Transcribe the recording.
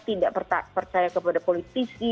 tidak percaya kepada politisi